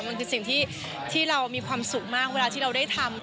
มันคือสิ่งที่เรามีความสุขมากเวลาที่เราได้ทำ